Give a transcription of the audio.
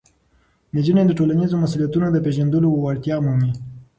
نجونې د ټولنیزو مسؤلیتونو د پېژندلو وړتیا مومي.